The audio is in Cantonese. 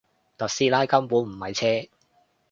特斯拉根本唔係車